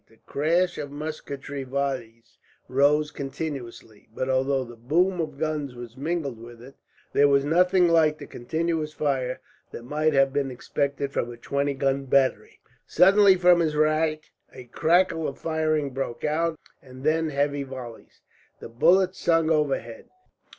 The crash of musketry volleys rose continuously, but although the boom of guns was mingled with it, there was nothing like the continuous fire that might have been expected from a twenty gun battery. Suddenly from his right a crackle of firing broke out, and then heavy volleys. The bullets sung overhead.